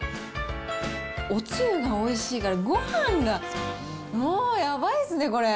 おつゆがおいしいから、ごはんがもうやばいっすね、これ。